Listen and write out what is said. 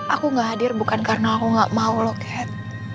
aku gak hadir bukan karena aku gak mau lockhead